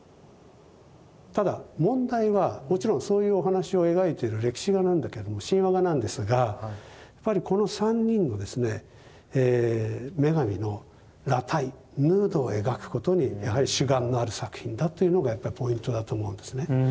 ただ問題はもちろんそういうお話を描いている歴史画なんだけれども神話画なんですがやっぱりこの３人の女神の裸体ヌードを描くことに主眼のある作品だというのがやっぱりポイントだと思うんですね。